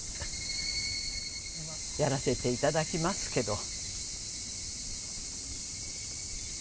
やらせていただきますけど。